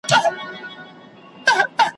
ډلي به راسي د توتکیو ,